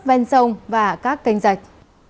ven sông và các canh rạch